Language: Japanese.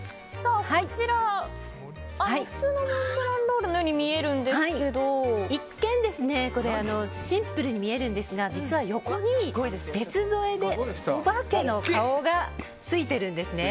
こちらは普通のモンブランロールのように一見、シンプルに見えるんですが実は横に別添えでおばけの顔がついているんです。